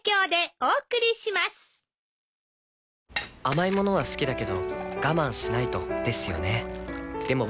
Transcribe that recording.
甘い物は好きだけど我慢しないとですよね